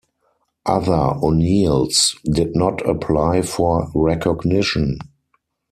Other O'Neills did not apply for recognition.